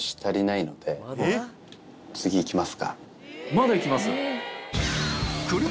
まだ行きます？